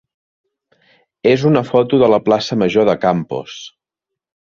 és una foto de la plaça major de Campos.